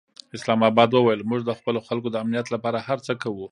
اسلام اباد وویل، موږ د خپلو خلکو د امنیت لپاره هر څه کوو.